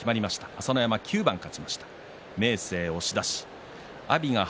朝乃山が９番勝ちました。